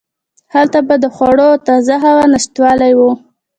هلته به د خوړو او تازه هوا نشتوالی و.